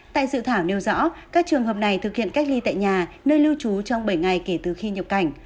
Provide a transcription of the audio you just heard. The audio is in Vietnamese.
tại dự thảo nêu rõ các trường hợp này thực hiện cách ly tại nhà nơi lưu trú trong bảy ngày kể từ khi nhập cảnh